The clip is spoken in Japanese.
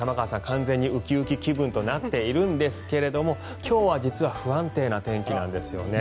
完全にウキウキ気分となっているんですが今日は実は不安定な天気なんですよね。